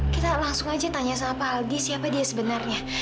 kita langsung aja tanya sama pak aldi siapa dia sebenarnya